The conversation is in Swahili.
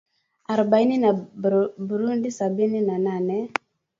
arobaini na Burundi sabini na nane